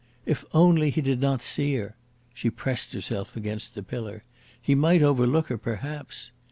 If only he did not see her! She pressed herself against the pillar. He might overlook her, perhaps!